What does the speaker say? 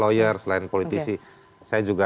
lawyer selain politisi saya juga